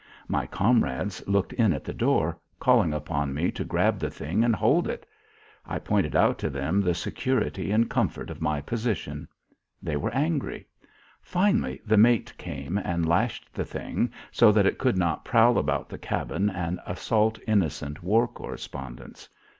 My comrades looked in at the door, calling upon me to grab the thing and hold it. I pointed out to them the security and comfort of my position. They were angry. Finally the mate came and lashed the thing so that it could not prowl about the cabin and assault innocent war correspondents.